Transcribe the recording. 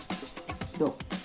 どう？